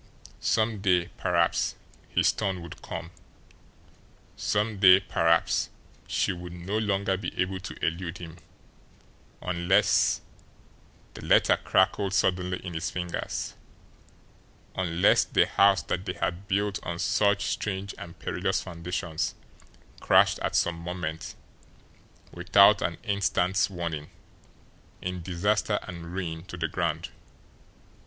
Some day, perhaps, his turn would come; some day, perhaps, she would no longer be able to elude him, unless the letter crackled suddenly in his fingers unless the house that they had built on such strange and perilous foundations crashed at some moment, without an instant's warning, in disaster and ruin to the ground.